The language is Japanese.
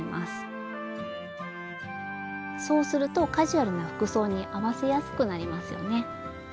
そうするとカジュアルな服装に合わせやすくなりますよね。